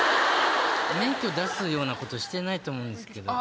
免許出すようなことしてないと思うんですけど。